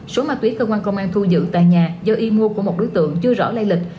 số ma túy cơ quan công an thu giữ tại nhà do y mua của một đối tượng chưa rõ lây lịch